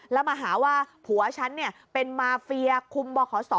แล้วมาหาว่าผัวฉันเป็นมาเฟียคุมบขศ